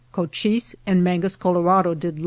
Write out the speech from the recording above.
Cochise and Mangus Colorado did likewise.